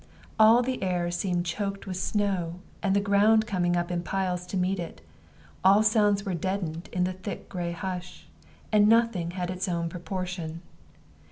All the air seemed choked with snow, and the ground coming up in piles to meet it; all sounds were deadened in the thick gray hush, and nothing had its own proportion.